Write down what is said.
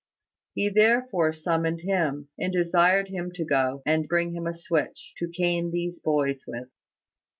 He therefore summoned him, and desired him to go, and bring him a switch, to cane these boys with.